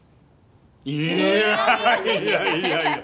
いやいやいやいや！